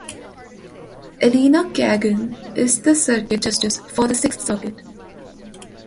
Elena Kagan is the circuit justice for the Sixth Circuit.